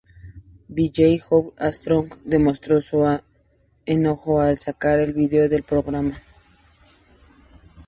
Billie Joe Armstrong demostró su enojo al sacar el vídeo de la programación.